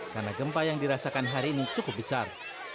karena gempa yang dirasakan hari ini cukup besar